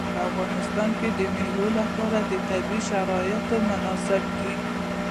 په افغانستان کې د مېوې لپاره طبیعي شرایط مناسب دي.